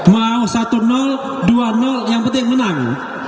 mau satu dua yang penting menang